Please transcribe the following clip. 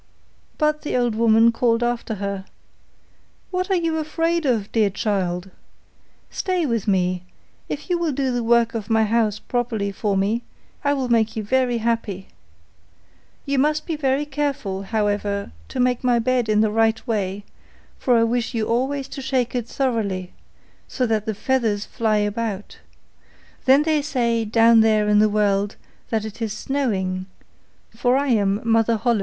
But the old woman called after her, 'What are you afraid of, dear child? Stay with me; if you will do the work of my house properly for me, I will make you very happy. You must be very careful, however, to make my bed in the right way, for I wish you always to shake it thoroughly, so that the feathers fly about; then they say, down there in the world, that it is snowing; for I am Mother Holle.